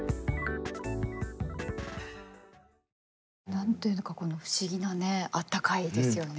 何というのか不思議なねあったかいですよね。